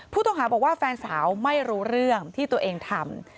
ผู้ต้องหาบอกว่าแฟนสาวไม่รู้เรื่องที่ตัวเองทำ